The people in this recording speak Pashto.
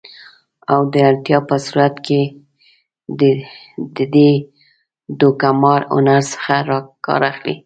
او د اړتیا په صورت کې د دې دوکه مار هنر څخه کار اخلي